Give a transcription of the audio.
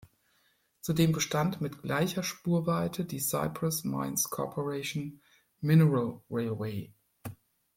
Zudem bestand mit gleicher Spurweite die Cyprus Mines Corporation Mineral Railway.